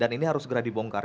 dan ini harus segera dibongkar